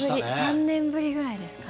３年ぶりぐらいですかね。